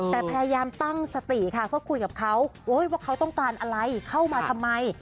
แต่พยายามตั้งสติค่ะเพื่อคุยกับเขาว่าเขาต้องการอะไรเข้ามาทำไม